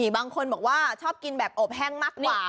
บางคนบอกว่าชอบกินแบบอบแห้งมากกว่า